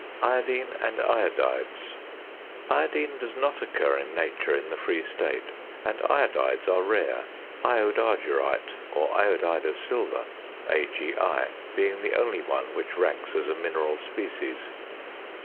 IODINE AND IODIDES. Iodine does not occur in nature in the free state; and iodides are rare, iodargyrite or iodide of silver (AgI) being the only one which ranks as a mineral species.